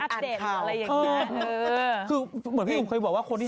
คนทั้งโลกดูออกเพียงพนาที